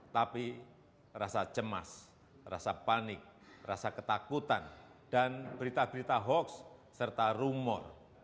tapi rasa cemas rasa panik rasa ketakutan dan berita berita hoax serta rumor